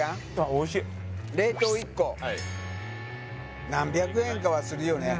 おいしっ冷凍１個何百円かはするよね